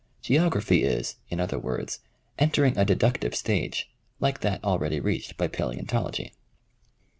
Geography is, in other words, entering a de ductive stage, like that already reached by palaeontology.